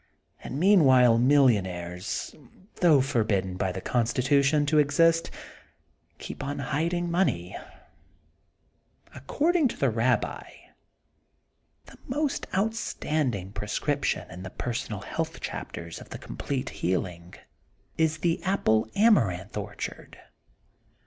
And meanwhile million aires, though forbidden by the constitution to exist, keep on hiding money. *' According to the Babbi: — ^*The most out standing prescription in the personal health chapters of *The Complete Healing' is the 116 THE GOLDEN BOOK OF SPRINGFIELD Apple Amaranth orchard.